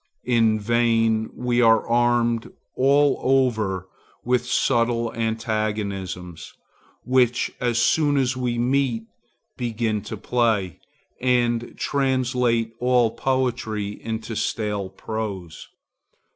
In vain. We are armed all over with subtle antagonisms, which, as soon as we meet, begin to play, and translate all poetry into stale prose.